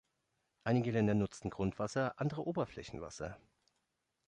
Einige Länder nutzen Grundwasser, andere Oberflächenwasser.